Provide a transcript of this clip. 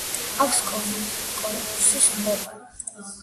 აქვს კონუსის ფორმა.